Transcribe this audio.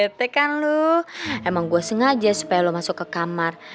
rt kan lo emang gue sengaja supaya lo masuk ke kamar